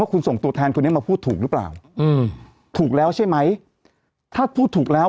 คุณส่งตัวแทนคนนี้มาพูดถูกหรือเปล่าอืมถูกแล้วใช่ไหมถ้าพูดถูกแล้ว